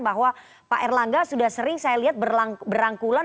bahwa pak erlangga sudah sering saya lihat berangkulan